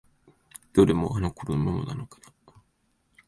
どれもあの頃のままなのかな？